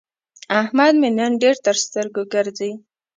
احمد مې نن ډېر تر سترګو ګرځي.